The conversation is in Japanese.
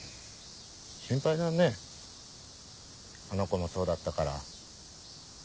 心配だねあの子もそうだったから。